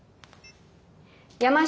山下